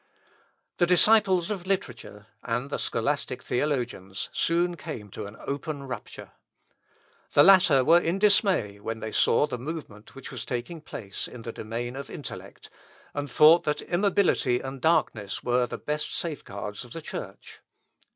The disciples of literature, and the scholastic theologians, soon came to an open rupture. The latter were in dismay when they saw the movement which was taking place in the domain of intellect, and thought that immobility and darkness were the best safeguards of the Church.